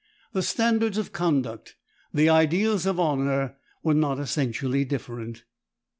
The standards of conduct, the ideals of honor, were not essentially different.